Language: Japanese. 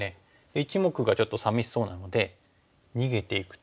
１目がちょっとさみしそうなので逃げていくとどうですか？